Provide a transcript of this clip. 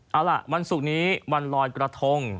เอาล่ะวันศุกร์นี้วันลอยกระทง